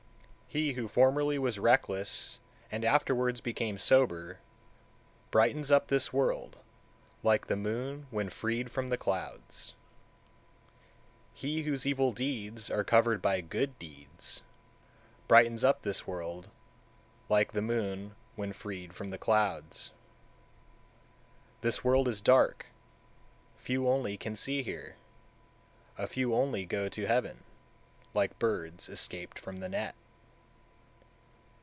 172. He who formerly was reckless and afterwards became sober, brightens up this world, like the moon when freed from clouds. 173. He whose evil deeds are covered by good deeds, brightens up this world, like the moon when freed from clouds. 174. This world is dark, few only can see here; a few only go to heaven, like birds escaped from the net.